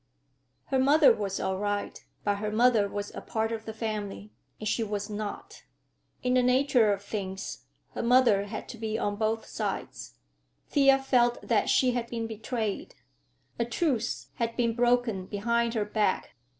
Her mother was all right, but her mother was a part of the family, and she was not. In the nature of things, her mother had to be on both sides. Thea felt that she had been betrayed. A truce had been broken behind her back.